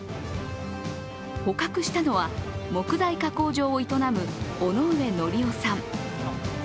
捕獲したのは木材加工場を営む尾ノ上則夫さん。